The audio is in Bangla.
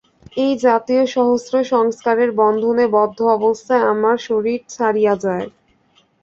এই-জাতীয় সহস্র সংস্কারের বন্ধনে বদ্ধ অবস্থায় আমরা শরীর ছাড়িয়া যাই।